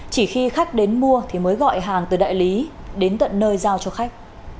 chỉ khi khách đến mua thì mới gọi hàng từ đại lý đến tận nơi giao cho khách